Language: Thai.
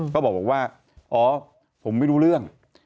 ก็บอกว่าอ๋อผมไม่รู้เรื่อง